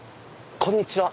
こんにちは。